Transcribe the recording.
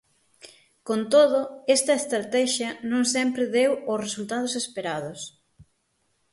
Con todo, esta estratexia non sempre deu os resultados esperados.